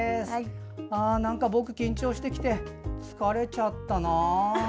なんか僕、緊張してきて疲れちゃったな。